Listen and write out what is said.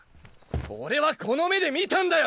俺はこの目で見たんだよ！